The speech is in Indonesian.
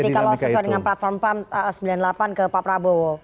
sulit dong berarti kalau sesuai dengan platform pan sembilan puluh delapan ke pak prabowo